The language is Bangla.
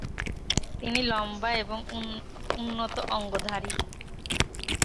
তিনি লম্বা এবং উন্নত অঙ্গধারী।